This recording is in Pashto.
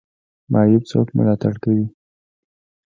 معیوب څوک ملاتړ کوي؟